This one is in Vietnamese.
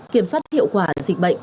kiểm soát hiệu quả dịch bệnh